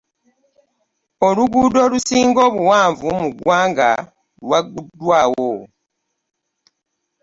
Oluguudo olusinga obuwanvu mu ggwanga lwagguddwaawo.